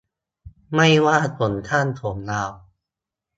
ไม่ว่าผมสั้นผมยาว